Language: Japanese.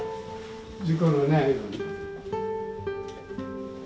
事故のないように。